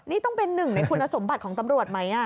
นี่ต้องเป็นหนึ่งในคุณสมบัติของตำรวจไหม